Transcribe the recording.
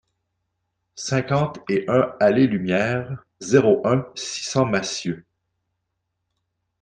cinquante et un allée Lumière, zéro un, six cents Massieux